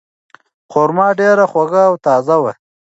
خورما ډیره خوږه او تازه وه.